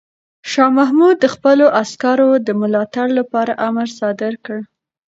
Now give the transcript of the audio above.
شاه محمود د خپلو عسکرو د ملاتړ لپاره امر صادر کړ.